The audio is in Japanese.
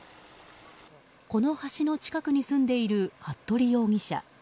この橋の近くに住んでいる服部容疑者。